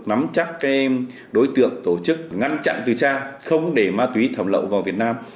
nắm chắc đối tượng tổ chức ngăn chặn từ cha không để ma túy thầm lậu vào việt nam